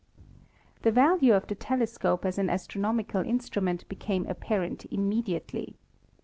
The value of the telescope as an astronomical instrument became apparent immediately.